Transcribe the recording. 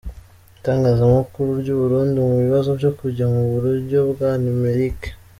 Itangazamakuru ry’u Burundi mu bibazo byo kujya mu buryo bwa numérique